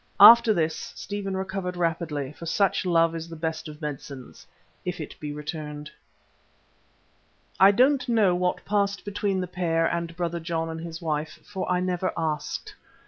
After this, Stephen recovered rapidly, for such love is the best of medicines if it be returned. I don't know what passed between the pair and Brother John and his wife, for I never asked.